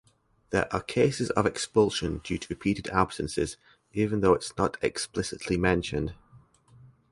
There are cases of expulsion due to repeated absences, even though it’s not explicitly mentioned.